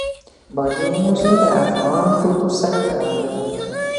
بادي انرژي د افغان کلتور سره تړاو لري.